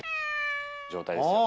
状態ですよ。